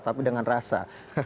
tapi dengan rasa